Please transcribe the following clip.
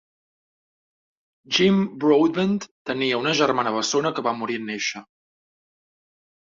Jim Broadbent tenia una germana bessona que va morir en néixer.